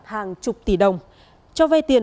hàng chục tỷ đồng cho vay tiền